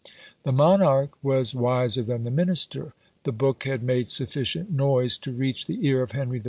The monarch was wiser than the minister. The book had made sufficient noise to reach the ear of Henry IV.